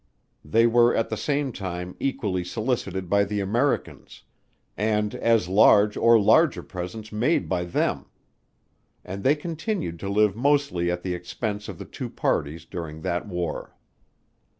They were at the same time, equally solicited by the Americans; and as large or larger presents made by them; and they continued to live mostly at the expence of the two parties during that war.